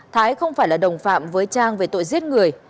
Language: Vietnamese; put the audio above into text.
thái không phải là đồng phạm với trang về tội giết người